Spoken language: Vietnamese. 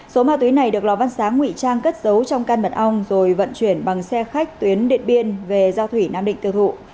số ma túy này được lò văn sáng ngụy trang cất giấu trong căn mật ong rồi vận chuyển bằng xe khách tuyến điện biên về giao thủy nam định tiêu thụ